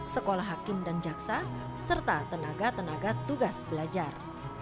sekolah hakim dan jaksa serta tenaga tenaga tugas belajar